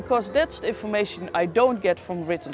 karena itu informasi yang saya tidak dapat dari sumber kata